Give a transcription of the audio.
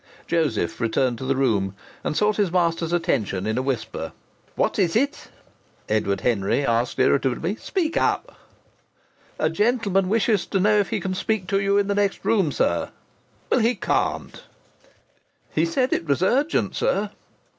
Joseph returned to the room, and sought his master's attention in a whisper. "What is it?" Edward Henry asked irritably. "Speak up!" "A gentleman wishes to know if he can speak to you in the next room, sir." "Well, he can't." "He said it was urgent, sir."